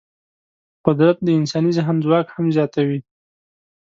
قدرت د انساني ذهن ځواک هم زیاتوي.